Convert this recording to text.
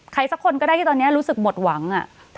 สักคนก็ได้ที่ตอนนี้รู้สึกหมดหวัง